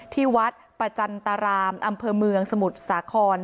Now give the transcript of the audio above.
ที่วัดประจันตรารามอำเภอเมืองสมุทรสาคร